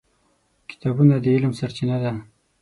کتابونه د علم سرچینه ده.